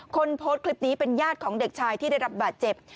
คนโพสต์คลิปนี้เป็นญาติของเด็กชายที่ได้รับบาดเจ็บ